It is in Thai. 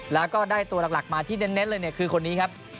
แล้วก็ได้ตัวหลักมาที่เน้นเลยเนี่ยคือคนนี้ครับ